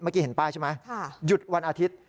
เมื่อกี้เห็นป้ายใช่ไหมหยุดวันอาทิตย์